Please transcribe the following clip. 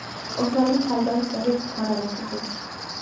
ოსმალები ჩალდირანის ველზე დაბანაკდნენ.